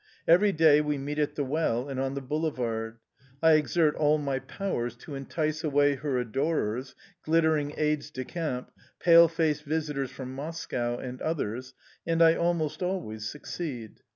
Every day we meet at the well and on the boulevard. I exert all my powers to entice away her adorers, glittering aides de camp, pale faced visitors from Moscow, and others and I almost always succeed.